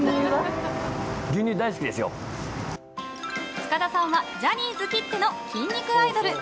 塚田さんはジャニーズきっての筋肉アイドル。